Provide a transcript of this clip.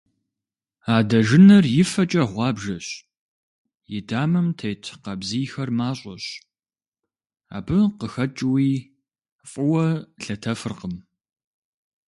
Адэжынэр и фэкӏэ гъуабжэщ, и дамэм тет къабзийхэр мащӏэщ, абы къыхэкӏууи фӏыуэ лъэтэфыркъым.